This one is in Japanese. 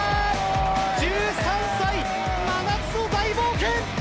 １３歳、真夏の大冒険！